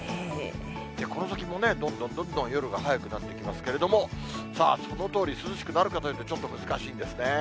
この先もね、どんどんどんどん、夜が早くなってきますけれども、さあ、そのとおり涼しくなるかというと、ちょっと難しいんですね。